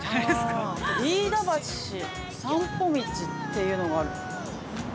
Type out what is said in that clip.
飯田橋散歩道っていうのがある。